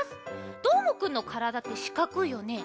どーもくんのからだってしかくいよね。